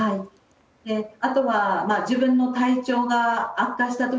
あとは自分の体調が悪化した時。